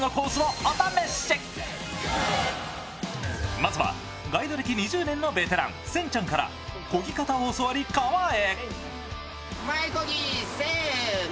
まずは、ガイド歴２０年のベテラン、せんちゃんからこぎ方を教わり、川へ。